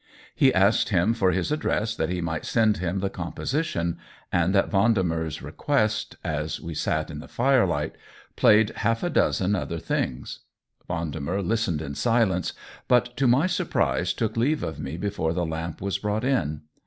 He asked him for his address, that he might send him the composition, and at Vendemer's request, as we sat in the firelight, played half a dozen other things. Vendemer listened in silence, but to my surprise took leave of me before the lamp was brought in.